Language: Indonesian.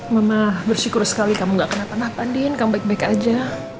mama bersyukur sekali kamu gak kena panah panah din kamu baik baik aja